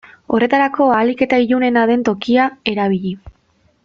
Horretarako ahalik eta ilunena den tokia erabili.